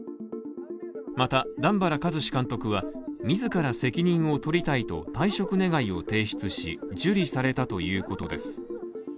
また、段原一詞監督は、自ら責任を取りたいと退職願を提出し受理されたということです。